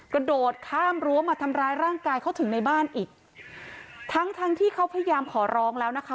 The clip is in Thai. กระโดดข้ามรั้วมาทำร้ายร่างกายเขาถึงในบ้านอีกทั้งทั้งที่เขาพยายามขอร้องแล้วนะคะ